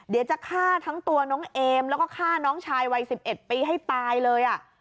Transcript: เดี๋ยวจะฆ่าทั้งตัวน้องเอมแล้วก็ฆ่าน้องชายวัย๑๑ปีให้ตายเลย